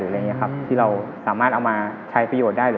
ที่เราสามารถที่เราเอามาใช้ประโยชน์